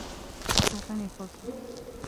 إعطني فُرصة.